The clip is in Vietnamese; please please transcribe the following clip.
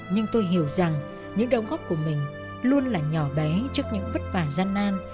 nhưng tôi hiểu rằng những động gốc của mình luôn là nhỏ bé trước những vất vả gian nan